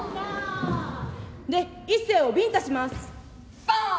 で一清をビンタします。